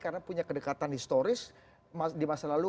karena punya kedekatan historis di masa lalu